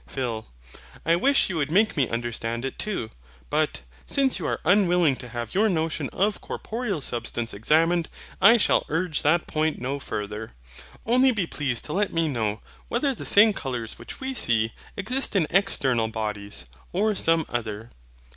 PHIL. I wish you would make me understand it too. But, since you are unwilling to have your notion of corporeal substance examined, I shall urge that point no farther. Only be pleased to let me know, whether the same colours which we see exist in external bodies, or some other.